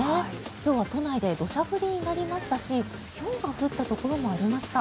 今日は都内で土砂降りになりましたしひょうが降ったところもありました。